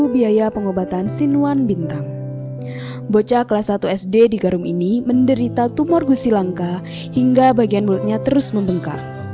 bocah kelas satu sd di garum ini menderita tumor gusi langka hingga bagian mulutnya terus membengkak